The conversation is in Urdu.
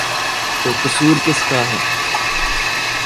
تو قصور کس کا ہے؟